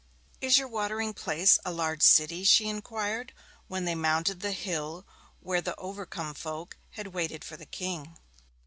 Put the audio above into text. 'Is your watering place a large city?' she inquired when they mounted the hill where the Overcombe folk had waited for the King.